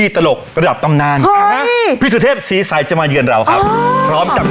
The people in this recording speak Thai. อยู่คณะด้วยคนสิเราอยากเล่นตลกค่ะ